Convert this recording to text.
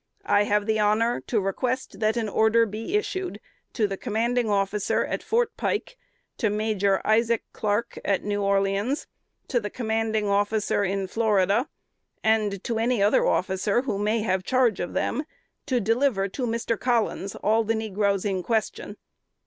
I have the honor to request that an order be issued to the commanding officer at Fort Pike; to Major Isaac Clark, at New Orleans; to the commanding officer in Florida, and to any other officer who may have charge of them, to deliver to Mr. Collins all the negroes in question.